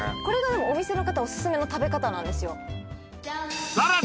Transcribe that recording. これがでもお店の方オススメの食べ方なんですよ